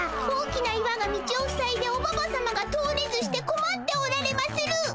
大きな岩が道をふさいでおババさまが通れずしてこまっておられまする。